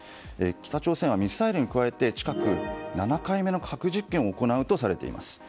北朝鮮はミサイルに加えて近く７回目の核実験を行うとされています。